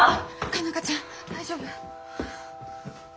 佳奈花ちゃん大丈夫？